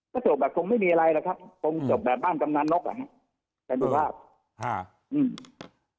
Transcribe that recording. จะจบแบบคงไม่มีอะไรเลยครับจบแบบบ้านจำนานนกอะฮะเป็นภูมิภาพ